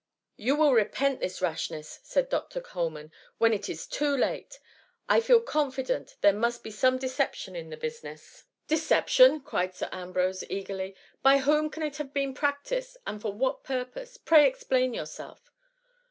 " You will repent this rashness," said Dr. Coleman, " when it is too late. I feel confi dent there must be some deception in the busi ^ ness.'' " Deception !'* cried Sir Ambrose, eagerly, " by whom can it have been practised, and for what purpose ? Pray explain yourself."